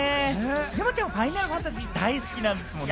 山ちゃん『ファイナルファンタジー』、大好きなんですもんね？